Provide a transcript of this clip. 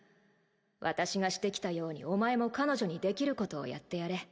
私がしてきたようにお前も彼女にできることをやってやれ